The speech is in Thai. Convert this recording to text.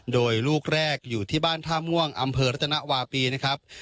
โดยลูกแรกอยู่ที่บ้านท่าม่วงอำเภอรัตนวาปีนะครับ